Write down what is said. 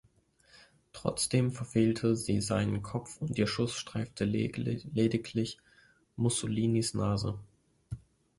Trotzdem verfehlte sie seinen Kopf und ihr Schuss streifte lediglich Mussolinis Nase.